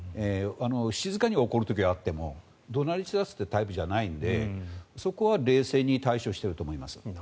静かに怒る時はあっても怒鳴り散らすタイプじゃないのでそこは冷静に対処していると思います。